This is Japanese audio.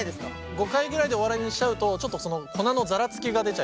５回ぐらいで終わりにしちゃうとちょっと粉のザラつきが出ちゃいます。